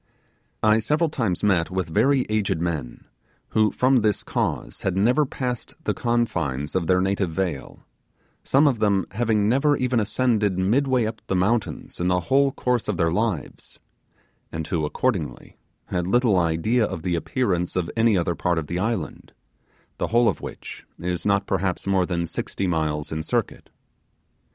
I several times met with very aged men, who from this cause had never passed the confines of their native vale, some of them having never even ascended midway up the mountains in the whole course of their lives, and who, accordingly had little idea of the appearance of any other part of the island, the whole of which is not perhaps more than sixty miles in circuit.